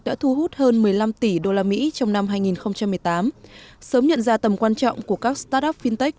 đã thu hút hơn một mươi năm tỷ usd trong năm hai nghìn một mươi tám sớm nhận ra tầm quan trọng của các start up fintech